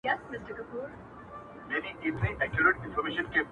د ورځي سور وي رسوایي وي پکښې,